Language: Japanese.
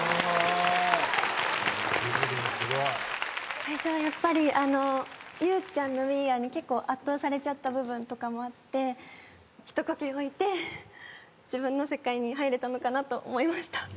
最初はやっぱりゆうちゃんの『ウィーアー！』に結構圧倒されちゃった部分とかもあって一呼吸置いて自分の世界に入れたのかなと思いました。